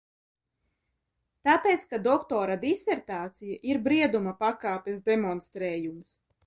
Tāpēc, ka doktora disertācija ir brieduma pakāpes demonstrējums.